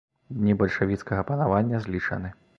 Дні бальшавіцкага панавання злічаны.